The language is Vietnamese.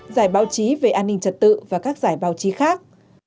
giải báo chí về an ninh trật tự và các giải báo chí khác